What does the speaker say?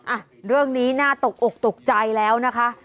อ่ะเรื่องนี้น่าตกอกตกใจแล้วนะคะ